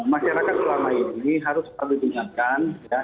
masyarakat selama ini harus selalu diingatkan